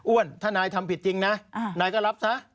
ถ้านายทำผิดจริงนะนายก็รับซะ